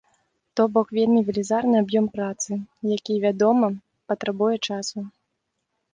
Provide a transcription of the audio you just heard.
То бок вельмі велізарны аб'ём працы, які, вядома, патрабуе часу.